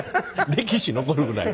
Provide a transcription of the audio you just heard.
歴史残るぐらい。